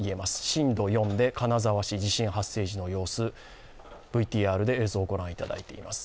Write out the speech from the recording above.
震度４で金沢市、地震発生時の様子、ＶＴＲで映像ご覧いただきました。